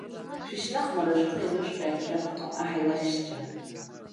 Шәышьнаҟмара шәхы ианышәҟьааит шәарҭ, аҳ илахьшьцәа!